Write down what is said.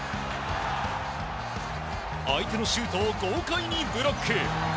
相手のシュートを豪快にブロック！